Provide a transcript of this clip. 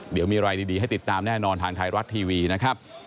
เดี๋ยวมีอะไรดีให้ติดตามแน่นอนทางไทยรัฐทีวีนะครับ